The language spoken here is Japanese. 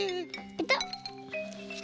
ペタッ。